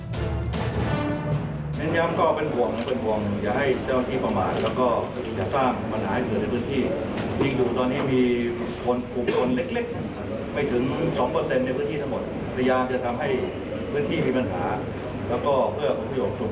ที่เป็นหลักให้เห็นว่าเจ้าที่บ้านเบื้อง